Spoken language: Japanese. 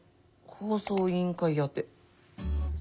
放送委員会宛て。